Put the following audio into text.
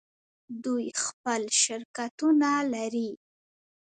دوی خپل شرکتونه لري.